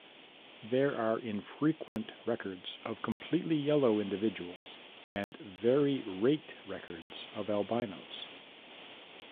There are infrequent records of completely yellow individuals and very rate records of albinos.